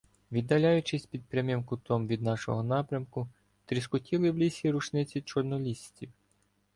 Віддаляючись під прямим кутом від нашого напрямку, тріскотіли в лісі рушниці чорнолісців.